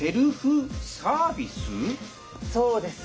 そうです！